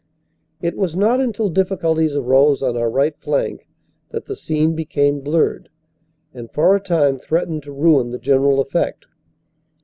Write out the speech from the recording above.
It was not until difficulties arose on our right flank that the scene became blurred, and for a time threatened to ruin the general effect.